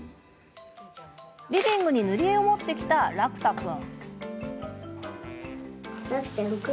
リビングに塗り絵を持ってきた楽汰君。